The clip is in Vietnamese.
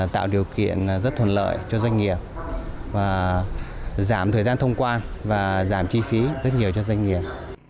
tạo điều kiện rất thuận lợi cho doanh nghiệp và giảm thời gian thông quan và giảm chi phí rất nhiều cho doanh nghiệp